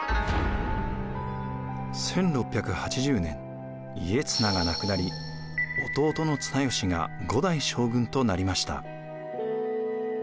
１６８０年家綱が亡くなり弟の綱吉が５代将軍となりました。